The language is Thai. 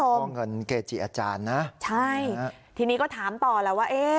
หลวงพ่อเงินเกจิอาจารย์นะใช่ทีนี้ก็ถามต่อแล้วว่า